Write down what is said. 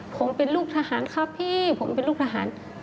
ผมเป็นลูกทหารครับพี่ผมเป็นลูกทหาร